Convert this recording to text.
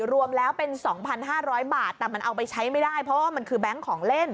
รวมแล้วเป็น๒๕๐๐บาทแต่มันเอาไปใช้ไม่ได้เพราะว่ามันคือแบงค์ของเล่น